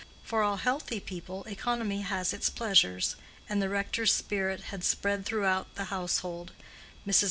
For all healthy people economy has its pleasures; and the rector's spirit had spread through the household. Mrs.